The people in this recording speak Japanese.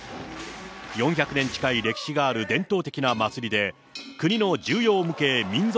４００年近い歴史がある伝統的な祭りで、国の重要無形民俗